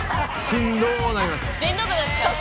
しんどくなっちゃう。